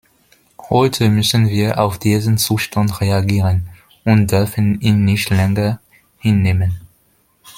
Heute müssen wir auf diesen Zustand reagieren und dürfen ihn nicht länger hinnehmen.